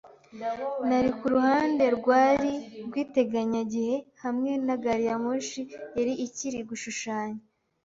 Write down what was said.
Nari kuruhande rwa lee rw'iteganyagihe, hamwe na gari ya moshi yari ikiri gushushanya,